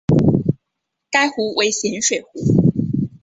该湖为咸水湖。